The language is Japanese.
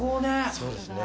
そうですね。